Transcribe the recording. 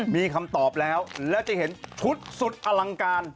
มีคำตอบแล้วแล้วจะเห็นชุดสุดอลังการ